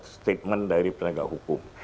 statement dari penegak hukum